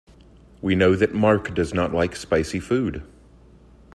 We know that Mark does not like spicy food.